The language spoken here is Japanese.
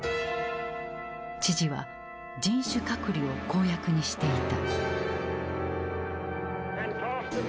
知事は人種隔離を公約にしていた。